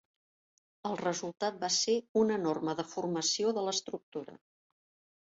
El resultat va ser una enorma deformació de l'estructura.